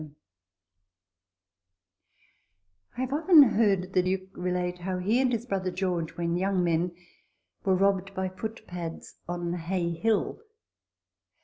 TABLE TALK OF SAMUEL ROGERS 121 I have often heard the Duke relate how he and his brother George, when young men, were robbed by footpads on Hay Hill.